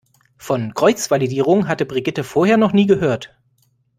Von Kreuzvalidierung hatte Brigitte vorher noch nie gehört.